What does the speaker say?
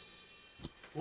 お！